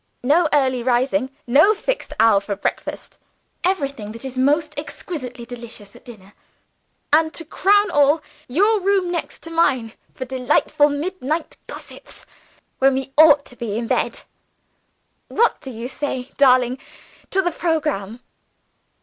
No early rising; no fixed hour for breakfast; everything that is most exquisitely delicious at dinner and, to crown all, your room next to mine, for delightful midnight gossipings, when we ought to be in bed. What do you say, darling, to the programme?